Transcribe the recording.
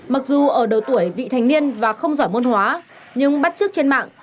mặc dù ở độ tuổi vị thành niên và không giỏi môn hóa nhưng bắt trước trên mạng